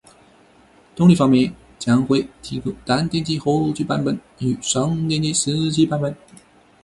动力方面，将会提供单电机后驱版本与双电机四驱版本